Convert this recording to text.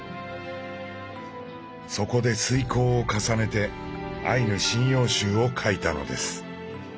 そこで推敲を重ねて「アイヌ神謡集」を書いたのです。